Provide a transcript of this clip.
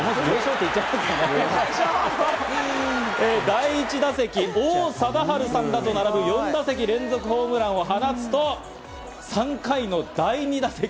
第１打席、王貞治さんらと並ぶ４打席連続ホームランを放つと、３回の第２打席。